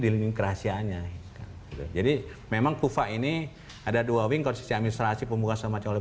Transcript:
ini kerahasianya jadi memang kuva ini ada dua wing kursus administrasi pembukaan sama cowok